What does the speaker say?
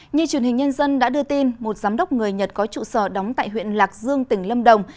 như truyền hình nhân dân đã đưa tin một giám đốc người nhật có trụ sở đóng tại huyện lạc dương tỉnh lâm đồng